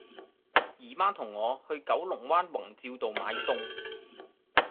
姨媽同我去九龍灣宏照道買餸